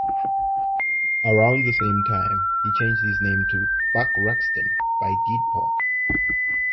Around the same time, he changed his name to "Buck Ruxton" by deed poll.